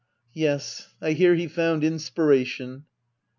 Yes, I hear he found inspiration.